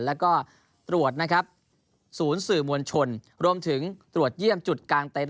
และก็ตรวจศูนย์สื่อมวลชนรวมถึงตรวจเยี่ยมจุดกางเต็ด